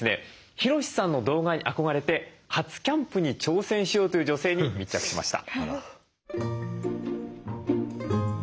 ヒロシさんの動画に憧れて初キャンプに挑戦しようという女性に密着しました。